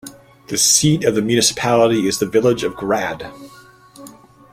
The seat of the municipality is the village of Grad.